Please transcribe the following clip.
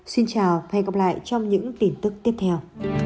xin chào và hẹn gặp lại trong những tin tức tiếp theo